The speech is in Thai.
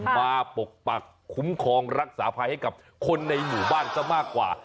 ปกปักคุ้มครองรักษาภัยให้กับคนในหมู่บ้านซะมากกว่า